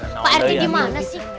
pak rt di mana sih